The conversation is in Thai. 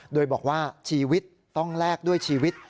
โดยบอกว่าชีวิตต้องแลกด้วยชีวิต